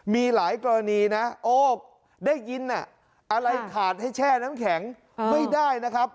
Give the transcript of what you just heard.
มีหลายกรณีนะโอ้ได้ยินอะไรขาดให้แช่น้ำแข็งไม่ได้นะครับ